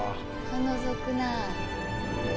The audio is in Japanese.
のぞくなあ。